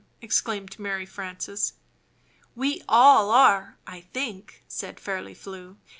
exclaimed Mary Frances. "We all are, I think," said Fairly Flew.